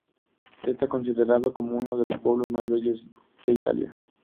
Está considerado como uno de los pueblos más bellos de Italia.